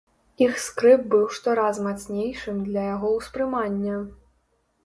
Іх скрып быў штораз мацнейшым для яго ўспрымання.